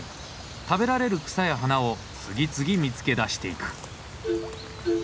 食べられる草や花を次々見つけ出していく。